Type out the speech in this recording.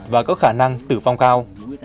và có khả năng tử phong cao